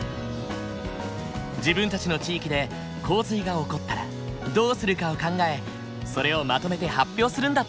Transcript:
自分たちの地域で洪水が起こったらどうするかを考えそれをまとめて発表するんだって。